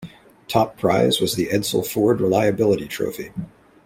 Top prize was the Edsel Ford Reliability Trophy.